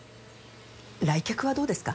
来客はどうですか？